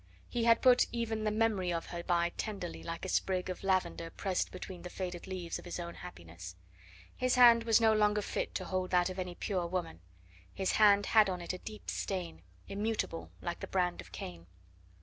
He had put even the memory of her by tenderly, like a sprig of lavender pressed between the faded leaves of his own happiness. His hand was no longer fit to hold that of any pure woman his hand had on it a deep stain, immutable, like the brand of Cain.